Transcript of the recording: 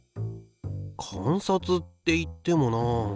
観察っていってもなあ。